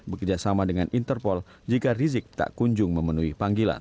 bekerjasama dengan interpol jika rizik tak kunjung memenuhi panggilan